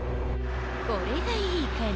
これがいいかな？